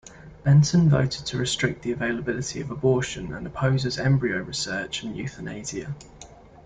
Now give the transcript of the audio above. Benton voted to restrict the availability of abortion, and opposes embryo research and euthanasia.